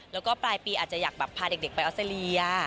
แล้วก็ปลายปีอาจจะอยากพาเด็กไปออสเตรเลีย